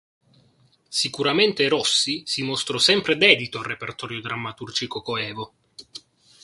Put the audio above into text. Sicuramente Rossi si mostrò sempre dedito al repertorio drammaturgico coevo.